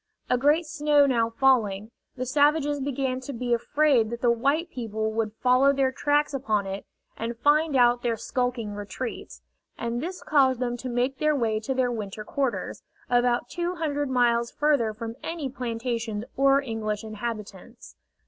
A great snow now falling, the savages began to be afraid that the white people would follow their tracks upon it and find out their skulking retreats, and this caused them to make their way to their winter quarters, about two hundred miles further from any plantations or English inhabitants.